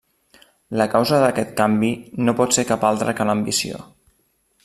La causa d'aquest canvi no pot ser cap altra que l'ambició.